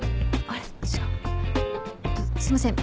えっとすいません。